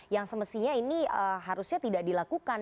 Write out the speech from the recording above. yang semestinya ini harusnya tidak dilakukan